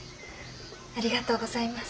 ありがとうございます。